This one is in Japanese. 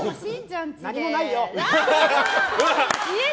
何もないよ！